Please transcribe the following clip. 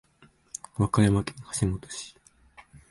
和歌山県橋本市